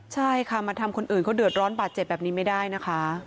ใช่ค่ะมาทำคนอื่นเขาเดือดร้อนบาดเจ็บแบบนี้ไม่ได้นะคะ